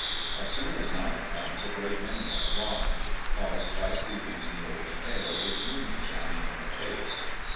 As soon as night comes a great many are blind, caused by sleeping in the open air, with moon shining in the face.